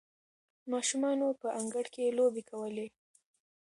ماشومانو په انګړ کې لوبې کولې.